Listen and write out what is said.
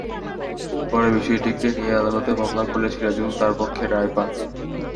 পরে বিষয়টি নিয়ে আদালতে মামলা করলে সিরাজুল তাঁর পক্ষে রায় পান।